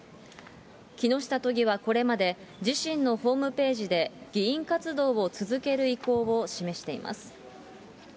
木下都議はこれまで、自身のホームページで、議員活動を続ける意向を示しています。